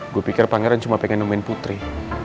gue pikir panggara cuma pengen nemuin putri